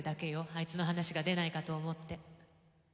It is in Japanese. あいつの話が出ないかと思って。